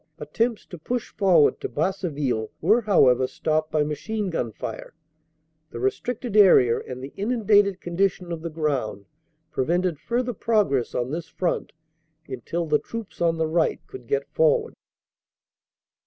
Attempts to push forward to Basseville were, how ever, stopped by machine gun fire. The restricted area and OPERATIONS: OCT. 6 16 333 the inundated condition of the ground prevented further pro gress on this front until the troops on the right could get for ward.